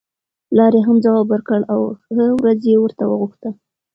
پلار یې هم ځواب ورکړ او ښه ورځ یې ورته وغوښته.